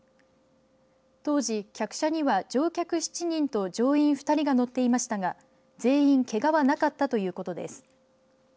当時客車には乗客７人と乗員２人が乗っていましたが全員けがはなかったということです。